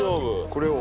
これを。